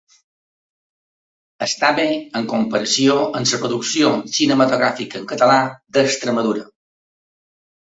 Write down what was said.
Està bé en comparació amb la producció cinematogràfica en català d’Extremadura.